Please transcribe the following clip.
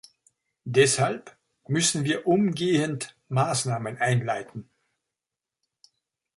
Deshalb müssen wir umgehend Maßnahmen einleiten.